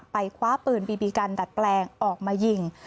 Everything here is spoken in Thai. คว้าปืนบีบีกันดัดแปลงออกมายิง